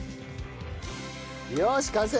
よし完成！